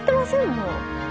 もう。